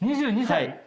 ２２歳！